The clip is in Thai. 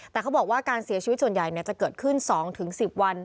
แต่เขาบอกว่าการเสียชีวิตส่วนใหญ่จะเกิดขึ้น๒๑๐วัน